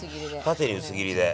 縦に薄切りで。